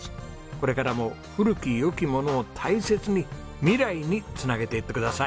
これからも古き良きものを大切に未来に繋げていってください。